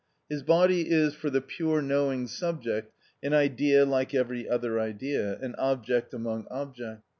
His body is, for the pure knowing subject, an idea like every other idea, an object among objects.